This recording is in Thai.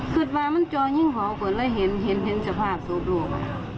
เกิดว่ามันจอยยิ่งเผาเกินแล้วเห็นสภาพสวบโลก